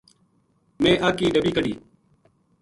میں اَگ کی ڈَبی کَڈہی